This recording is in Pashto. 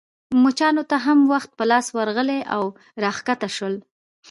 مچانو ته هم وخت په لاس ورغلی او راکښته شول.